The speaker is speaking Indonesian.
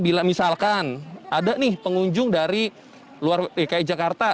bila misalkan ada nih pengunjung dari luar dki jakarta